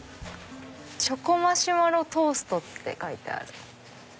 「チョコマシュマロトースト」って書いてある。